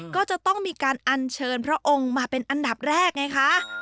ก็จะต้องมีการอัญเชิญพระองค์มาเป็นอันดับแรกไงคะ